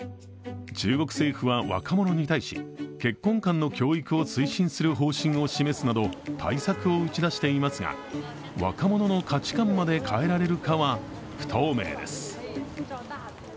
中国政府は若者に対し結婚観の教育を推進する方針を示すなど対策を打ち出していますが若者の価値観まで変えられるかは不透明です。